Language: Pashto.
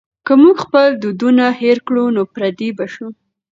که موږ خپل دودونه هېر کړو نو پردي به شو.